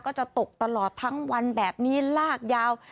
ก็จะตกตลอดทั้งวันแบบนี้ลากยาว